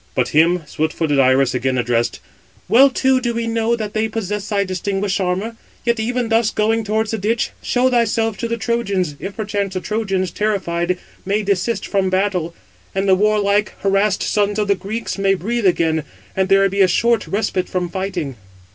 But him fleet footed Iris again addressed: "Well too do we know that they possess thy distinguished armour: yet even thus, going towards the ditch, show thyself to the Trojans, if perchance the Trojans, terrified, may desist from battle, and the warlike, harassed sons of the Greeks may breathe again; and there be a short respite from fighting."